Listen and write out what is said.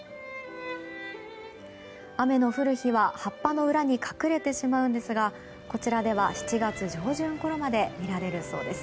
雨の降る日は、葉っぱの裏に隠れてしまうんですがこちらでは７月上旬ころまで見られるそうです。